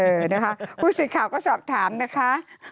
เออนะคะผู้สื่อข่าวก็สอบถามนะคะ